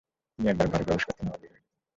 তিনি একবার ঘরে প্রবেশ করতেন আবার বের হয়ে যেতেন।